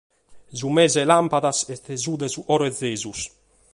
Su mese de làmpadas est su de su Coro de Gesùs.